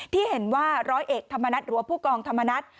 ที่เห็นว่าร้อยเอกธรรมนัฏหรือว่าผู้กองธรรมนัฐ